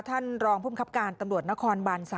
ท่านรองภูมิครับการตำรวจนครบาน๓